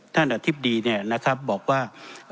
ท่านอธิบดีเนี่ยนะครับบอกว่า